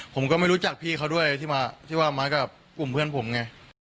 ผมก็ไม่รู้จักพี่เขาด้วยที่มาที่ว่ามากับกลุ่มเพื่อนผมไง